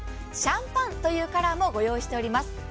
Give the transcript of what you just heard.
シャンパンというカラーもご用意しております。